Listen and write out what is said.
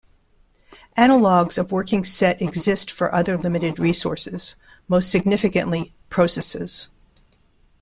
Analogs of working set exist for other limited resources, most significantly processes.